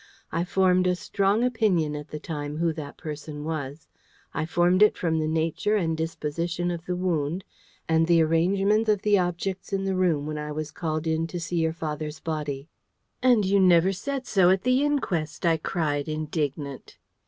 I formed a strong opinion at the time who that person was. I formed it from the nature and disposition of the wound, and the arrangement of the objects in the room when I was called in to see your father's body." "And you never said so at the inquest!" I cried, indignant.